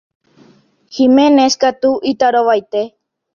Giménez katu itarovaite.